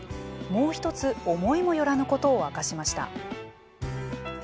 もう一つ思いもよらぬことを明かしました。